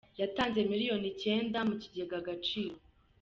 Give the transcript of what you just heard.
yatanze miliyoni icyenda mu kigega Agaciro